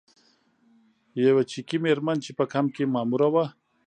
یوه چکي میرمن چې په کمپ کې ماموره وه.